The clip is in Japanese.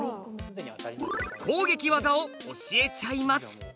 攻撃技を教えちゃいます！